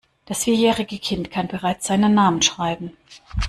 Das vierjährige Kind kann bereits seinen Namen schreiben.